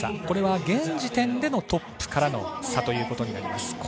これは現時点でのトップからの差ということになります。